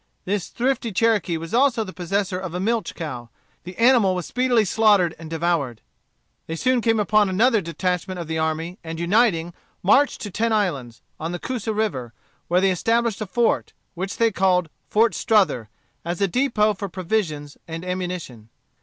This thrifty Cherokee was also the possessor of a milch cow. The animal was speedily slaughtered and devoured. They soon came upon another detachment of the army, and uniting, marched to Ten Islands, on the Coosa River, where they established a fort, which they called Fort Strother, as a depot for provisions and ammunition.